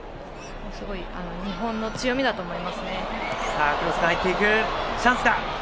すごい日本の強みだと思います。